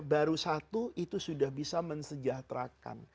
baru satu itu sudah bisa mensejahterakan